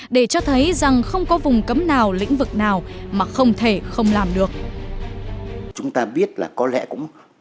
để cho thấy rằng không có vùng cấm nào lĩnh vực nào mà không thể không làm được